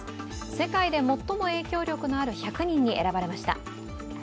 世界で最も影響力のある１００人に選ばれました。